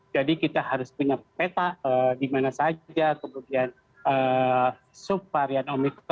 jadi kita harus punya peta di mana saja kemudian subvarian omicron ba empat dan ba lima